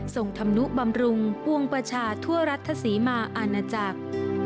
ส่งธรรมนุบำรุงปวงประชาทั่วรัฐศรีมาอาณาจักร